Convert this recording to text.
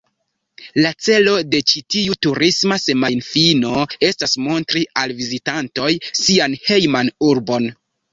La celo de ĉi tiu turisma semajnfino estas montri al vizitantoj sian hejman urbon.